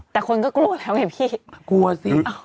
แต่คนก็กลัวแล้วไงพี่